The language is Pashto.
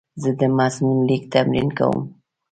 زه د مضمون لیک تمرین کوم.